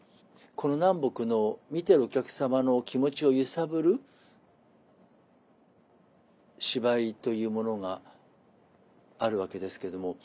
この南北の見てるお客様の気持ちを揺さぶる芝居というものがあるわけですけども。